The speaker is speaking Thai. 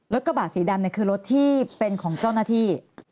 กระบาดสีดำคือรถที่เป็นของเจ้าหน้าที่